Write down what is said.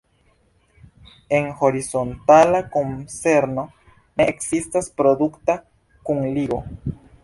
En horizontala konzerno ne ekzistas produkta kunligo.